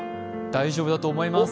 大丈夫だと思います。